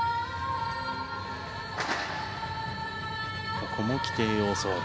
ここも規定要素。